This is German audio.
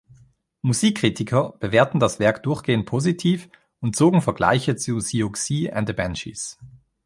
Musikkritiker bewerteten das Werk durchgehend positiv und zogen Vergleiche zu Siouxsie and the Banshees.